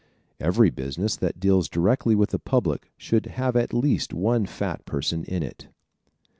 Every business that deals directly with the public should have at least one fat person in it.